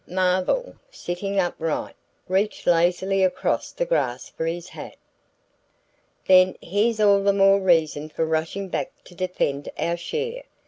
Marvell, sitting upright, reached lazily across the grass for his hat. "Then there's all the more reason for rushing back to defend our share."